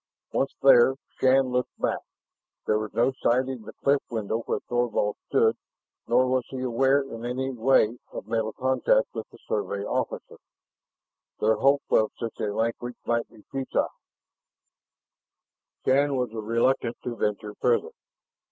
Once there, Shann looked back. There was no sighting the cliff window where Thorvald stood, nor was he aware in any way of mental contact with the Survey officer; their hope of such a linkage might be futile. Shann was reluctant to venture farther.